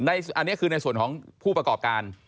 อันนี้คือในส่วนของผู้ประกอบการ